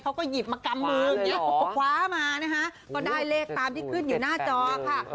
เขาก็หยิบมากำมืออย่างนี้คว้ามานะคะก็ได้เลขตามที่ขึ้นอยู่หน้าจอค่ะ